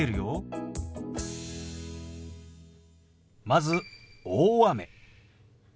まず「大雨」。